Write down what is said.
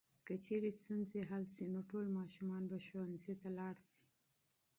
که چېرې ستونزې حل شي نو ټول ماشومان به ښوونځي ته لاړ شي.